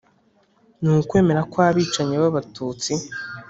Ni ukwemera ko abicanyi b'Abatutsi